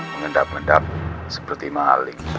mengendap endap seperti malik